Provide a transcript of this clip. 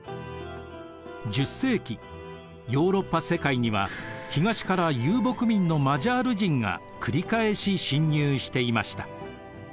ヨーロッパ世界には東から遊牧民のマジャール人が繰り返し侵入していました。